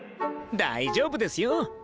大丈夫ですよ。